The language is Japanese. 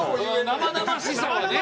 生々しさはね。